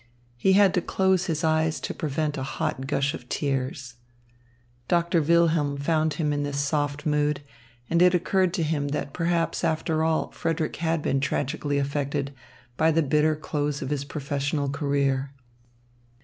He had to close his eyes to prevent a hot gush of tears. Doctor Wilhelm found him in this soft mood, and it occurred to him that perhaps after all Frederick had been tragically affected by the bitter close of his professional career.